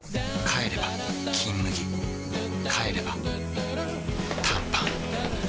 帰れば「金麦」帰れば短パン